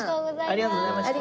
ありがとうございます。